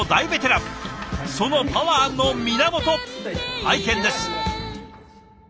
そのパワーの源拝見です。